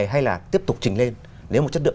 hay là tiếp tục trình lên nếu mà chất lượng